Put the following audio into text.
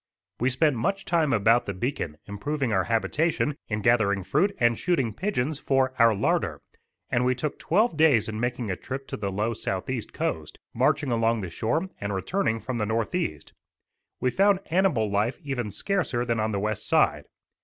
We spent much time about the beacon, improving our habitation, in gathering fruit and shooting pigeons for our larder; and we took twelve days in making a trip to the low south east coast, marching along the shore and returning from the northeast. We found animal life even scarcer than on the west side.